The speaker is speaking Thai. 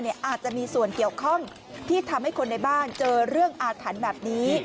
อาจจะมีส่วนเกี่ยวข้องที่ทำให้คนในบ้านเจอเรื่องอาถรรพ์แบบนี้